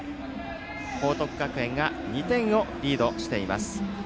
報徳学園が２点をリードしています。